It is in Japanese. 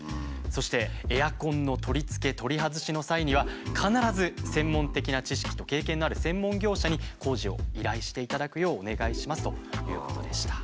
そしてエアコンの取り付け取り外しの際には必ず専門的な知識と経験のある専門業者に工事を依頼していただくようお願いしますということでした。